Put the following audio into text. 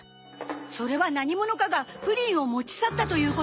それは何者かがプリンを持ち去ったということですか？